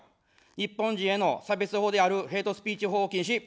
日本人への差別法であるヘイトスピーチ法を禁止。